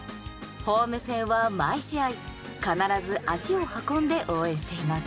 ホーム戦は毎試合必ず足を運んで応援しています。